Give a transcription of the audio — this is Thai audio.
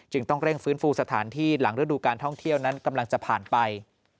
ต้องเร่งฟื้นฟูสถานที่หลังฤดูการท่องเที่ยวนั้นกำลังจะผ่านไป